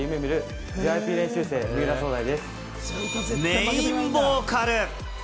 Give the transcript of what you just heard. メインボーカル。